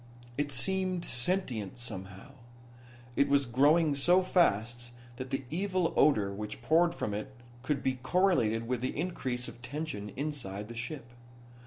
It seemed sentient, somehow. It was growing so fast that the evil odor which poured from it could be correlated with the increase of tension inside the ship.